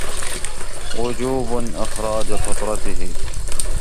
وُجُوبُ إخْرَاجِ فِطْرَتِهِ